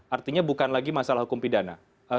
artinya bukan lagi masalah hukum pidana